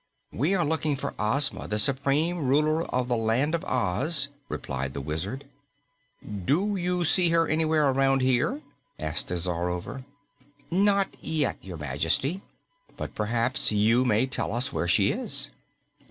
"We are looking for Ozma, the Supreme Ruler of the Land of Oz," replied the Wizard. "Do you see her anywhere around here?" asked the Czarover. "Not yet, Your Majesty, but perhaps you may tell us where she is."